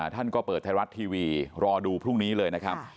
ท่านก็เปิดไทยรัฐทีวีรอดูพรุ่งนี้เลยนะครับ